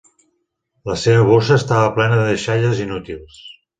La seva bossa estava plena de deixalles inútils.